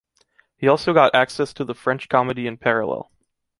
He also got access to the French Comedy in parallel.